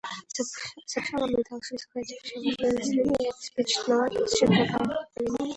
Сообща мы должны сохранить общее важное наследие и обеспечить новое будущее для грядущих поколений.